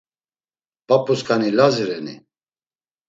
P̌ap̌u skani Lazi reni?